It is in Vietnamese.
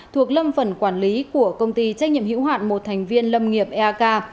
thuộc lâm phần quản lý của công ty trách nhiệm hữu hạn một thành viên lâm nghiệp eak